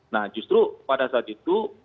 nah justru pada saat itu